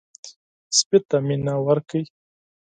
سپي ته مینه ورکړئ.